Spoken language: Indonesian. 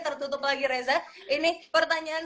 tertutup lagi reza ini pertanyaan